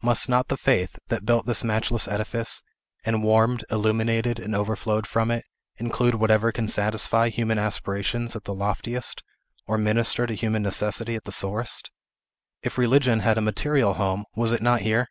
Must not the faith, that built this matchless edifice, and warmed, illuminated, and overflowed from it, include whatever can satisfy human aspirations at the loftiest, or minister to human necessity at the sorest? If Religion had a material home, was it not here?